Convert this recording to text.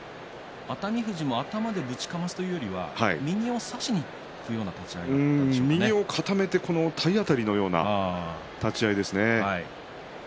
熱海富士も頭でぶちかますというよりは右を差しにいく右を固めて体当たりのような立ち合いですね。